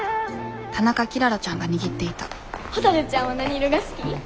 田中キララちゃんが握っていたほたるちゃんは何色が好き？